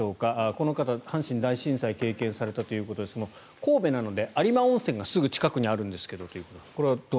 この方、阪神大震災を経験されたということですが神戸なので有馬温泉がすぐ近くにあるんですけどということです。